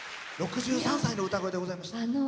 ６３歳の歌声でございました。